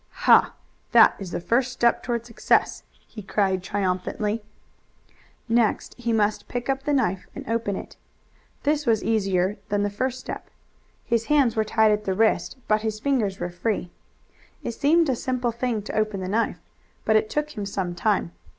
"Ha, that is the first step toward success!" he cried triumphantly. Next he must pick up the knife and open it. This was easier than the first step. His hands were tied at the wrist, but his fingers were free. It seemed a simple thing to open the knife, but it took him some time.